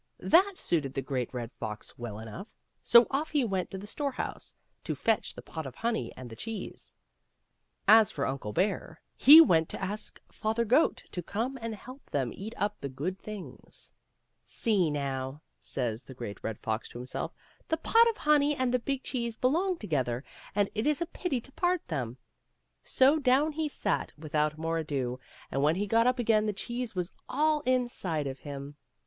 That suited the Great Red Fox well enough, so off he went to the storehouse to fetch the pot of honey and the cheese ; as for Uncle Bear ^e<l3reatSledforgott^ 284 "^^'^^^ WENT INTO PARTNERSHIP. he went to ask Father Goat to come and help them eat up the good things. " See, now/* says the Great Red Fox to himself, " the pot of honey and the big cheese belong together, and it is a pity to part them." So down he sat without more ado, and when he got up again the cheese was all inside of him.